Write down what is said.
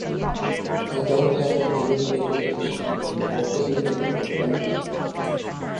I don’t have any education or anything like that.